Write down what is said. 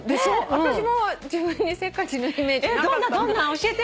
私も自分にせっかちのイメージなかった。